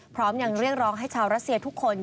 พร้อมยังเรียกร้องให้ชาวรัสเซียทุกคน